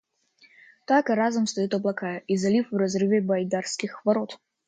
Так разом встают облака и залив в разрыве Байдарских ворот.